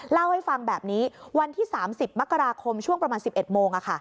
เล่าให้ฟังแบบนี้วันที่๓๐มกราคมช่วงประมาณ๑๑โมง